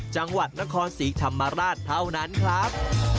จังหวัดนครศรีธรรมราชเท่านั้นครับ